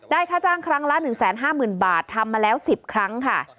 ค่าจ้างครั้งละ๑๕๐๐๐บาททำมาแล้ว๑๐ครั้งค่ะ